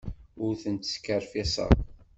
Ur tent-skerfiṣeɣ.